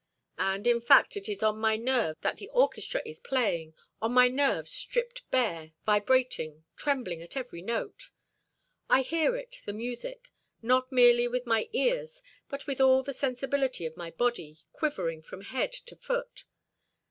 And in fact it is on my nerves that the orchestra is playing, on my nerves stripped bare, vibrating, trembling at every note. I hear it, the music, not merely with my ears, but with all the sensibility of my body quivering from head to foot.